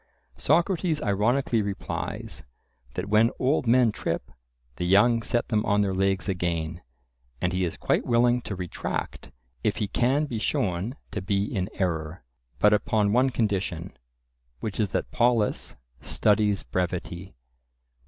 Socrates ironically replies, that when old men trip, the young set them on their legs again; and he is quite willing to retract, if he can be shown to be in error, but upon one condition, which is that Polus studies brevity.